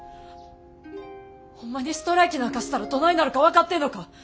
ホンマにストライキなんかしたらどないなるか分かってんのか！？